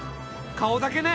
顔だけね。